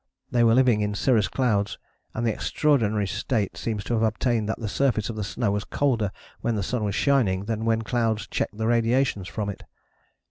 They were living in cirrus clouds, and the extraordinary state seems to have obtained that the surface of the snow was colder when the sun was shining than when clouds checked the radiation from it.